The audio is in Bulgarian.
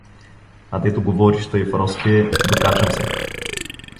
А дето говориш тъй, Фроске, докачам се.